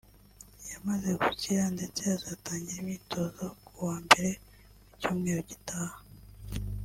yamaze gukira ndetse azatangira imyitozo ku wa mbere w’icyumweru gitaha